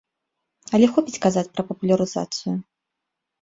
Але хопіць казаць пра папулярызацыю.